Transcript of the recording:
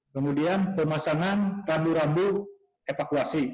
kemudian pemasangan rambu rambu evakuasi